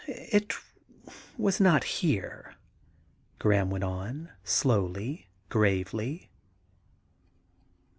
' It was not here,' Graham went on slowly, gravely.